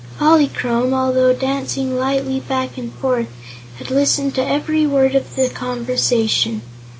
Polychrome, although dancing lightly back and forth, had listened to every word of the conversation.